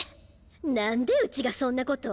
何でうちがそんなこと。